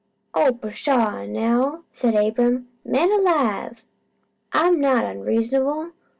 "Oh pshaw now!" said Abram. "Man alive! I'm not onreasonable.